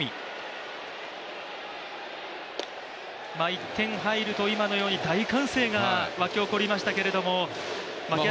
１点入ると、今のように大歓声が沸き起こりましたけど。